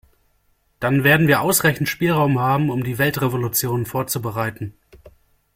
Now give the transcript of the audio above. Dann werden wir ausreichend Spielraum haben, um die Weltrevolution vorzubereiten.